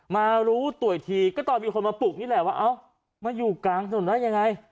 มารู้ตัวอีกทีก็ตอนมีคนมาปลุกนี่แหละว่าเอ้ามาอยู่กลางถนนได้ยังไง